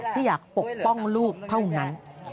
ที่อยากปกป้องลูกเท่านั้น